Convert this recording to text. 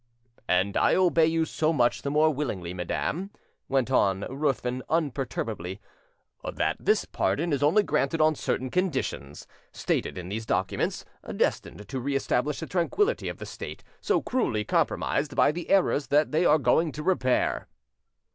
"And I obey you so much the more willingly, madam," went on Ruthven imperturbably, "that this pardon is only granted on certain conditions, stated in these documents, destined to re establish the tranquillity of the State, so cruelly compromised by the errors that they are going to repair."